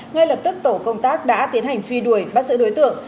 ngay lập tức tổ công tác đã tiến hành truy đuổi bắt giữ đối tượng